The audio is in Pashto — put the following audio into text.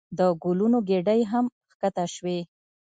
د ګلونو ګېډۍ هم ښکته شوې.